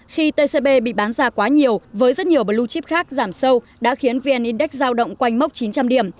khi tcb bị bán ra quá nhiều với rất nhiều blue chip khác giảm sâu đã khiến vn index giao động quanh mốc chín trăm linh điểm